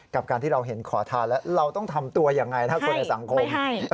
กับการที่เราเห็นขอทานแล้วเราต้องทำตัวยังไงถ้าคนในสังคม